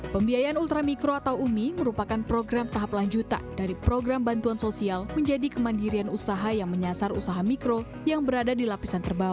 pembiayaan ultramikro atau umi merupakan program tahap lanjutan dari program bantuan sosial menjadi kemandirian usaha yang menyasar usaha mikro yang berada di lapisan terbawah